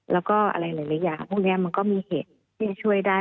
แล้วก็อะไรหลายอย่างพวกนี้มันก็มีเหตุที่จะช่วยได้